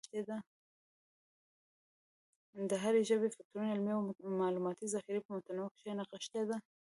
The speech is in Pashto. د هري ژبي فکري، علمي او معلوماتي ذخیره په متونو کښي نغښتې ده.